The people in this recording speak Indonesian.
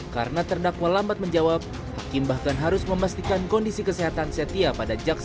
karena terdakwa lambat menjawab hakim bahkan harus memastikan kondisi kesehatan setia pada jadinya